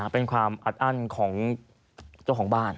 เป็นความอัดอั้นของเจ้าของบ้าน